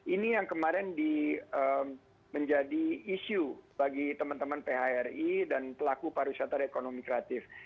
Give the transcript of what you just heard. ini yang kemarin menjadi isu bagi teman teman phri dan pelaku pariwisata dan ekonomi kreatif